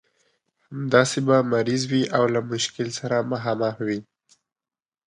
همداسې به مریض وي او له مشکل سره مخامخ وي.